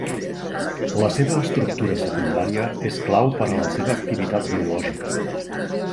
La seva estructura secundària és clau per a la seva activitat biològica.